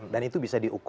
dan itu bisa diutuhkan